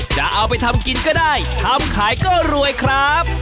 จะเอาไปทำกินก็ได้ทำขายก็รวยครับ